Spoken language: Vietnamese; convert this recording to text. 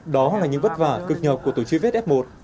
đó là những vất vả cực nhọc của tổ chức vết f một